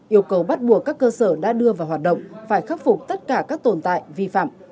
yêu cầu bắt buộc các cơ sở đã đưa vào hoạt động phải khắc phục tất cả các tồn tại vi phạm